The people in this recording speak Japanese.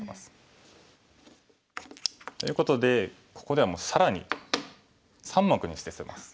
ということでここでは更に３目にして捨てます。